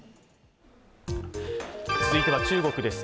続いては中国です。